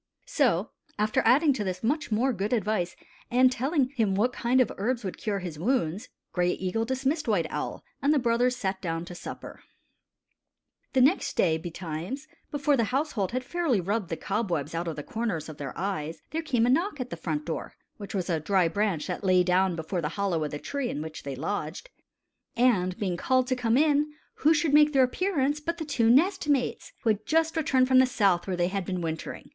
So, after adding to this much more good advice and telling him what kind of herbs would cure his wounds. Gray Eagle dismissed White Owl, and the brothers sat down to supper. The next day, betimes, before the household had fairly rubbed the cobwebs out of the corners of their eyes, there came a knock at the front door which was a dry branch that lay down before the hollow of the tree in which they lodged and being called to come in, who should make their appearance but the two nest mates, who had just returned from the South where they had been wintering.